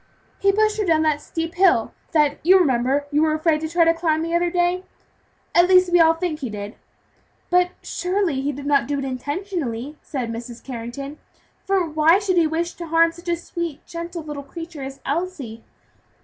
"He pushed her down that steep hill that you remember you were afraid to try to climb the other day; at least we all think he did." "But surely, he did not do it intentionally," said Mrs. Carrington, "for why should he wish to harm such a sweet, gentle little creature as Elsie?"